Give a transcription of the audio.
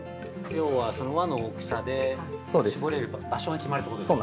◆要は、輪の大きさで絞れる場所が決まるってことですか。